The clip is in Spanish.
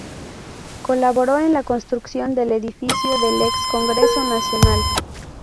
Colaboró en la construcción del edificio del ex Congreso Nacional.